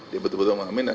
dia betul betul mengaminkan